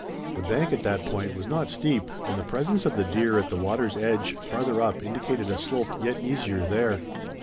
The bank at that point was not steep and the presence of the deer at the water's edge farther up indicated a slope yet easier there.